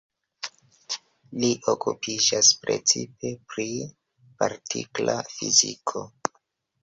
Li okupiĝas precipe pri partikla fiziko.